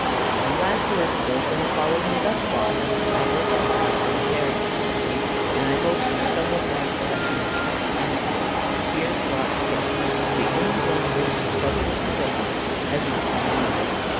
One last word to those who have followed me thus far. I hope I have not been very prosy, and I hope, in the somewhat large collection of Cat anecdotes here brought together, "the only one worth the trouble of relating" has not been omitted.